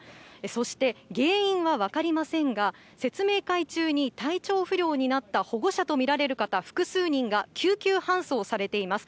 そして原因はわかりませんが、説明会中に体調不良になった保護者とみられる方、複数人が救急搬送されています。